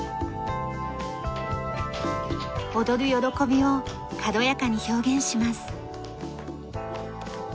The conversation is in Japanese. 踊る喜びを軽やかに表現します。